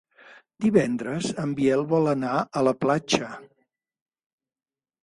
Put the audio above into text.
Divendres en Biel vol anar a la platja.